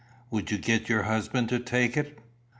Would you get your husband to take it?"